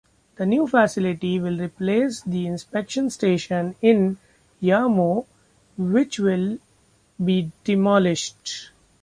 The new facility will replace the inspection station in Yermo, which will be demolished.